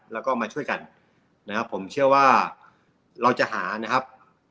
แล้วก็มาช่วยกันนะครับผมเชื่อว่าเราจะหานะครับ